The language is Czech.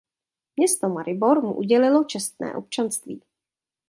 Město Maribor mu udělilo čestné občanství.